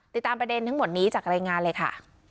ติดตามประเด็นทั้งหมดนี้จากรายงานเลยค่ะ